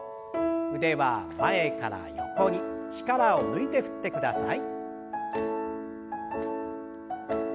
腕は前から横に力を抜いて振ってください。